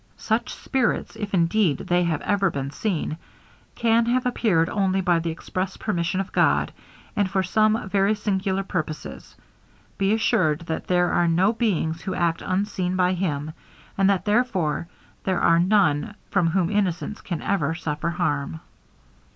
Such spirits, if indeed they have ever been seen, can have appeared only by the express permission of God, and for some very singular purposes; be assured that there are no beings who act unseen by him; and that, therefore, there are none from whom innocence can ever suffer harm.'